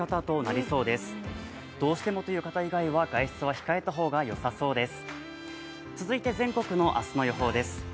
どうしてもという方以外は外出は控えた方がよさそうです。